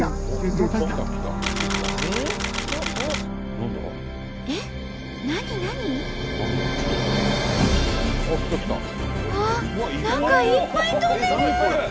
何かいっぱい飛んでる！